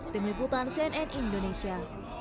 tim liputan cnn indonesia